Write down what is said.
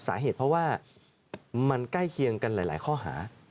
สาเหตุเพราะว่ามันใกล้เคียงกันหลายข้อหา